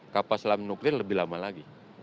kapal selam nuklir lebih lama lagi